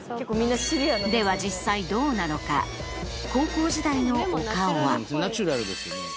では実際どうなのか高校時代のお顔は？